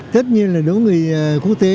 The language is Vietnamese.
tất nhiên là đối với người quốc tế